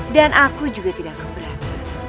dan aku juga tidak berat